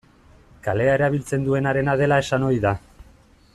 Kalea erabiltzen duenarena dela esan ohi da.